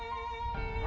あ！